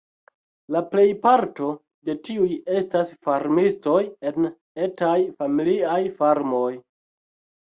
La plejparto de tiuj estas farmistoj en etaj familiaj farmoj.